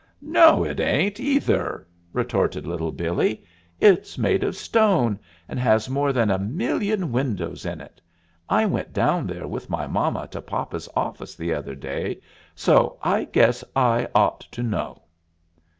"No, it ain't, either!" retorted Little Billee. "It's made of stone, and has more than a million windows in it. I went down there with my mama to papa's office the other day, so I guess I ought to know."